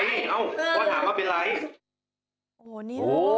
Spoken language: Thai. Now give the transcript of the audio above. เป็นไรว่าถามว่าเป็นไร